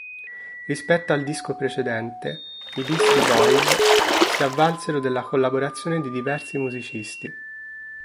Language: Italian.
Rispetto al disco precedente, i Beastie Boys si avvalsero della collaborazione di diversi musicisti.